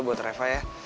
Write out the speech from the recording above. buat reva ya